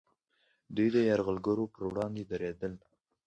دوی د یرغلګرو پر وړاندې دریدل